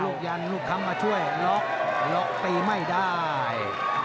ยันลูกค้ำมาช่วยล็อกล็อกตีไม่ได้